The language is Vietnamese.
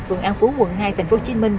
phường an phú quận hai tp hcm